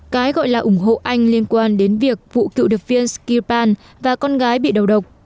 cái gọi là ủng hộ anh liên quan đến việc vụ cựu đập viên skiripan và con gái bị đầu độc